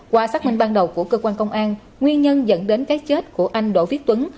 qua xác minh ban đầu của cơ quan công an nguyên nhân dẫn đến cái chết của anh đỗ viết tuấn